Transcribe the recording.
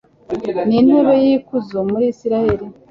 n'intebe y'ikuzo muri israheli